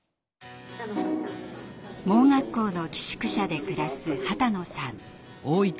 盲学校の寄宿舎で暮らす波多野さん。